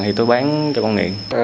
thì tôi bán cho con nghiện